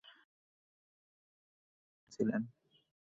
তিনি তার সময়ের প্রধান কবিদের একজন ছিলেন।